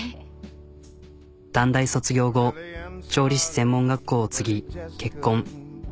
短大卒業後調理師専門学校を継ぎ結婚。